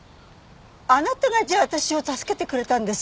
あなたがじゃあ私を助けてくれたんですか？